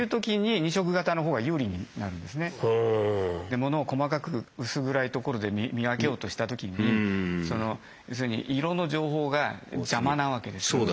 で物を細かく薄暗いところで見分けようとした時にその要するに色の情報が邪魔なわけですから。